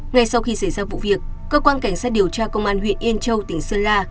ngay sau khi xảy ra vụ việc cơ quan cảnh sát điều tra công an huyện yên châu tỉnh sơn la